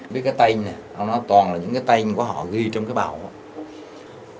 biết cái tên này nó toàn là những cái tên của họ ghi trong cái bào đó